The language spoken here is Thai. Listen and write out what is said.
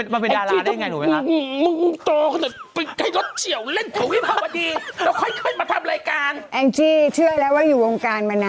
เออถ้าหน้าตาไม่เห็นจะมาเป็นดาราได้อย่างไรหนูไหมคะ